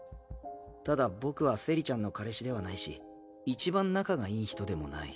ただ僕はセリちゃんの彼氏ではないし一番仲がいい人でもない。